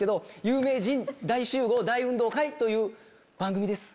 「有名人大集合大運動会」という番組です。